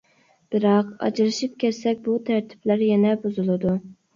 بىراق، ئاجرىشىپ كەتسەك بۇ تەرتىپلەر يەنە بۇزۇلىدۇ.